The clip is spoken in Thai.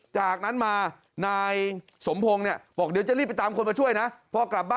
จากนั้นมานายสมพงศ์เนี่ยบอกเดี๋ยวจะรีบไปตามคนมาช่วยนะพอกลับบ้าน